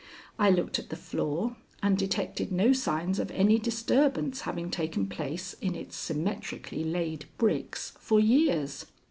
I looked at the floor and detected no signs of any disturbance having taken place in its symmetrically laid bricks for years.